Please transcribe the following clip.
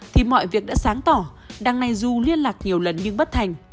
thì mọi việc đã sáng tỏ đăng này du liên lạc nhiều lần nhưng bất thành